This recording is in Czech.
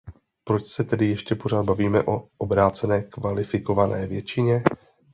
Proč se tedy ještě pořád bavíme o obrácené kvalifikované většině?